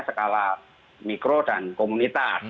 skala mikro dan komunitas